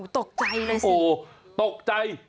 ตกใจเลยโอ้โหตกใจ